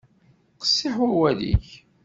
Qessiḥ wawal-ik.